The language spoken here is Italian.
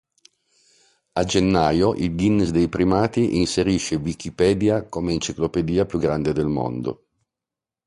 A gennaio, il Guinness dei primati inserisce Wikipedia come enciclopedia più grande del mondo.